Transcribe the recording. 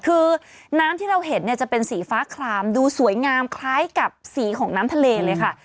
คือน้ำที่เราเห็นเนี่ยจะเป็นสีฟ้าคลามดูสวยงามคล้ายกับสีของน้ำทะเลเลยค่ะ